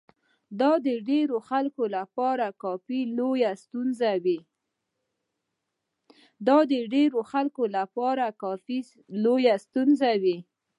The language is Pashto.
دا د ډېرو خلکو لپاره کافي لويې ستونزې وې.